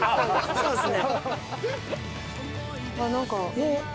そうですね。